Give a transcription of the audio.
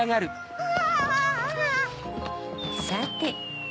うわ。